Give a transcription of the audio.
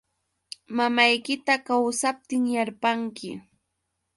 Mamaykita kawsaptinyarpanki.